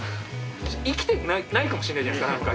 生きてないかもしれないじゃないですか。